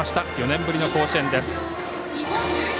４年ぶりの甲子園です。